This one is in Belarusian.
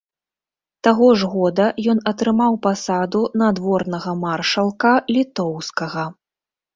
Таго ж года ён атрымаў пасаду надворнага маршалка літоўскага.